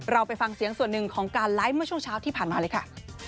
เราไปฟังเสียงส่วนหนึ่งของการไลฟ์เมื่อช่วงเช้าที่ผ่านมาเลยค่ะ